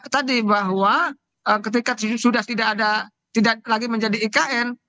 tadi bahwa ketika sudah tidak lagi menjadi ikn